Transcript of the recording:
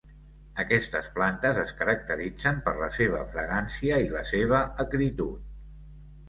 Aquestes plantes es caracteritzen per la seva fragància i la seva acritud.